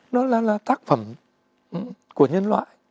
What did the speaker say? nó là tác phẩm của nhân loại